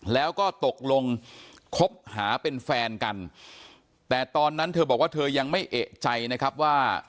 แล้วก็ตกลงคบหาเป็นแฟนกันแต่ตอนนั้นเธอบอกว่าเธอยังไม่เอกใจนะครับว่า